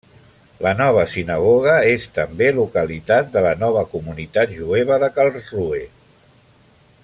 La nova sinagoga és també localitat de la nova comunitat jueva de Karlsruhe.